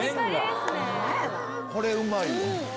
これうまいわ。